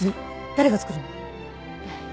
誰が作るの？